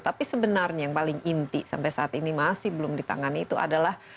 tapi sebenarnya yang paling inti sampai saat ini masih belum ditangani itu adalah